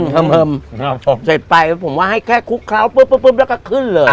เพิ่มเสร็จไปแล้วผมว่าให้แค่คลุกเคล้าปุ๊บปุ๊บแล้วก็ขึ้นเลย